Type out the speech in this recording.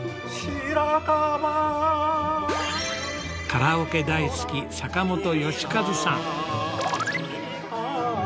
カラオケ大好き坂本芳和さん。